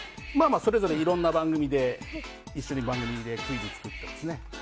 それぞれいろんな番組で一緒にクイズ作ってますね。